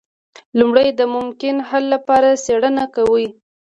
لومړی د ممکنه حل لپاره څیړنه کوي.